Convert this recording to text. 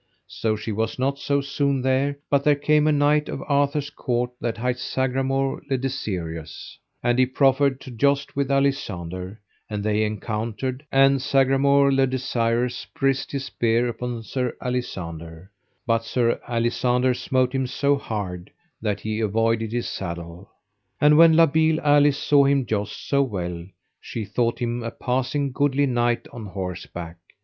So she was not so soon there but there came a knight of Arthur's court that hight Sagramore le Desirous, and he proffered to joust with Alisander; and they encountered, and Sagramore le Desirous brised his spear upon Sir Alisander, but Sir Alisander smote him so hard that he avoided his saddle. And when La Beale Alice saw him joust so well, she thought him a passing goodly knight on horseback.